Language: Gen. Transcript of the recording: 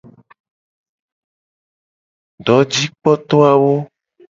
Dojikpoto awo.